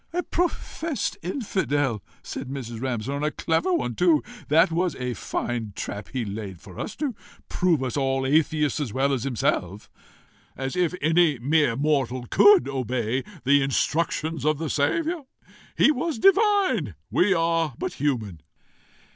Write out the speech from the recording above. "A professed infidel!" said Mrs. Ramshorn. "A clever one too! That was a fine trap he laid for us, to prove us all atheists as well as himself! As if any mere mortal COULD obey the instructions of the Saviour! He was divine; we are but human!"